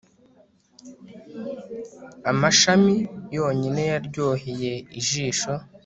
amashami yonyine yaryoheye ijisho